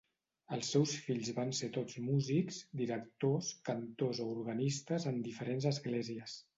Els seus fills van ser tots músics, directors, cantors o organistes en diferents esglésies.